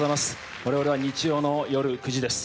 我々は日曜の夜９時です。